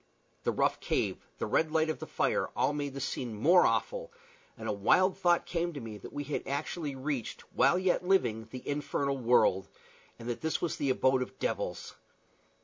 The rough cave, the red light of the fire, all made the scene more awful; and a wild thought came to me that we had actually reached, while yet living, the infernal world, and that this was the abode of devils.